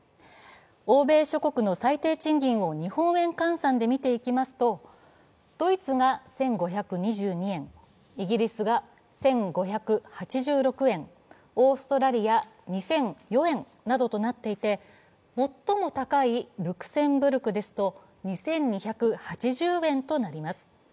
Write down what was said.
欧米諸国の最低賃金を日本円換算で見ていきますとドイツが１５２２円、イギリスが１５８６円、オーストラリア２００４円などとなっていて最も高いルクセンブルクですと２２８０円となります。